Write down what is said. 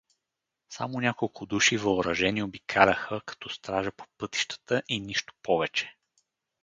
Само няколко души, въоръжени, обикаляха като стража по пътищата и нищо повече.